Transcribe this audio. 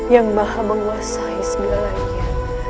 yang maha menguasai segalanya